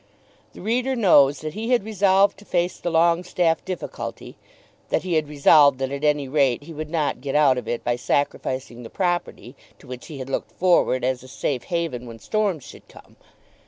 The reader knows that he had resolved to face the Longestaffe difficulty, that he had resolved that at any rate he would not get out of it by sacrificing the property to which he had looked forward as a safe haven when storms should come.